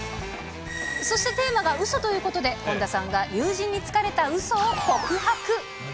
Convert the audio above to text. そして、テーマがうそということで、本田さんが友人につかれたうそを告白。